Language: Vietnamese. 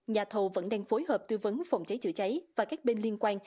nhà thầu vẫn đang phối hợp tư vấn phòng cháy chữa cháy và các bên liên quan